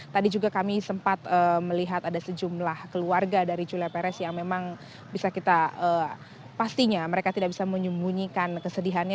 tadi juga kami sempat melihat ada sejumlah keluarga dari julia perez yang memang bisa kita pastinya mereka tidak bisa menyembunyikan kesedihannya